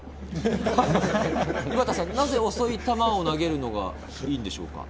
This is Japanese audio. なぜ遅い球を投げるのがいいんでしょうか。